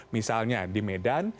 misalnya di medan